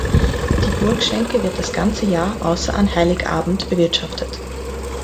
Die Burgschänke wird das ganze Jahr außer an Heiligabend bewirtschaftet.